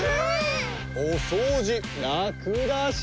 おそうじラクだし。